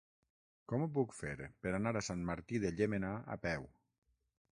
Com ho puc fer per anar a Sant Martí de Llémena a peu?